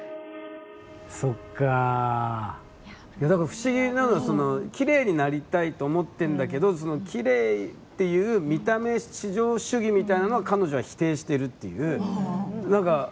不思議なのはきれいになりたいと思ってんだけど、きれいっていう見た目至上主義みたいなのは彼女は否定してるっていう。